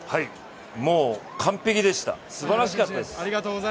もう完璧でした、すばらしかったです。